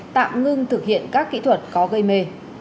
tạm ngưng thực hiện các kỹ thuật có gây mê